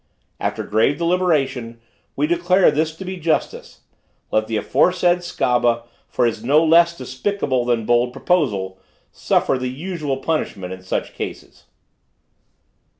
"After grave deliberation we declare this to be justice: let the aforesaid Skabba, for his no less despicable than bold proposal, suffer the usual punishment in such cases."